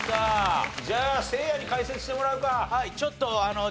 じゃあせいやに解説してもらうか。